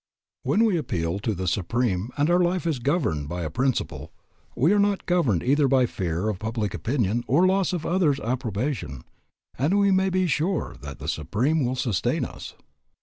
"When we appeal to the Supreme and our life is governed by a principle, we are not governed either by fear of public opinion or loss of others' approbation, and we may be sure that the Supreme will sustain us.